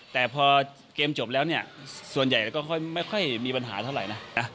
แต่พอเกมจบแล้วเนี่ยส่วนใหญ่ก็ไม่ค่อยมีปัญหาเท่าไหร่นะ